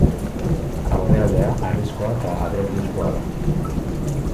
Aurrealdea harrizkoa eta adreiluzkoa da.